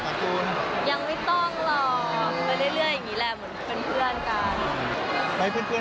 หลายคู่ก็ไม่มีก็ยังไม่แต่งเมืองอีกแผนก็มีอีกละเยอะ